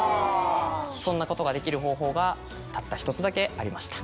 そんなことができる方法がたった１つだけありました。